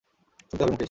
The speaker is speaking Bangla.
শুনতে হবে মুকেশ।